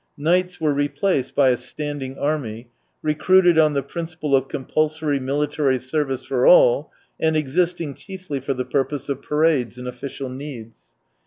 Knights were replaced by a standing army, recruited on the principle of compulsory military service for all, and existing chiefly for the purpose of parades and official needs.